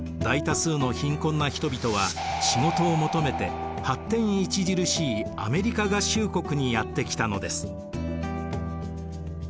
大多数の貧困な人々は仕事を求めて発展著しいアメリカ合衆国にやってきたのです。